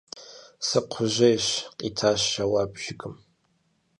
– Сыкхъужьейщ! – къитащ жэуап жыгым.